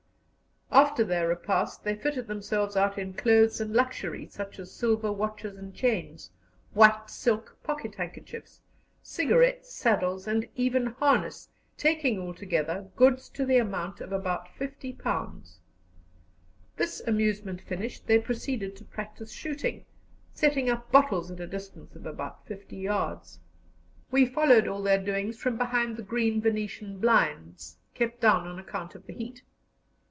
After their repast they fitted themselves out in clothes and luxuries, such as silver watches and chains, white silk pocket handkerchiefs, cigarettes, saddles, and even harness, taking altogether goods to the amount of about £50. This amusement finished, they proceeded to practise shooting, setting up bottles at a distance of about 50 yards. We followed all their doings from behind the green Venetian blinds, kept down on account of the heat.